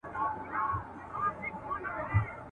پر لمن د ګل غونډۍ یم رغړېدلی !.